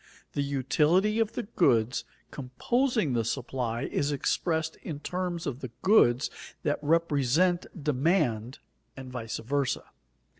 The utility of the goods composing the supply is expressed in terms of the goods that represent demand and vice versa.